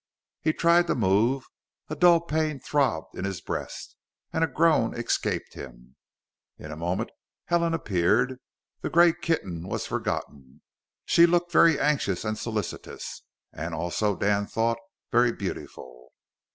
He tried to move, a dull pain throbbed in his breast, and a groan escaped him. In a moment Helen appeared; the gray kitten was forgotten. She looked very anxious and solicitous and also, Dan thought, very beautiful.